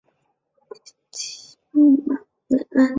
宽叶匐枝蓼为蓼科蓼属下的一个变种。